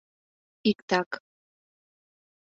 — Иктак...